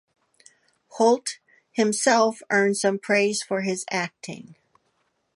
Hoult himself earned some praise for his acting.